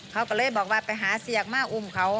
เขาก็เลยบอกว่าไปหาเสียกมาอุ้มเขา